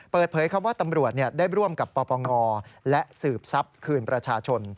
เปิดเผยคำว่าตำรวจได้ร่วมกับปปงและสืบทรัพย์คืนประชาชน